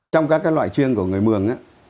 trong các loại chiêng của người mường